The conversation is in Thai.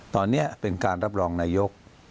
ตอนนี้เป็นการรับรองนายก